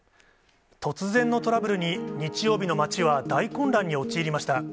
突然のトラブルに、日曜日の街は大混乱に陥りました。